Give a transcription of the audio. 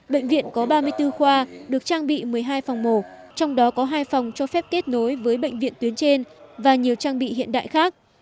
bệnh viện có ba mươi bốn khoa được trang bị một mươi hai phòng mổ trong đó có hai phòng cho phép kết nối với bệnh viện tuyến trên và nhiều trang bị hiện đại khác